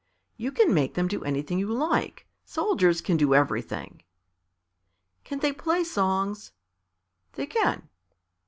"You can make them do anything you like. Soldiers can do everything." "Can they play songs?" "They can."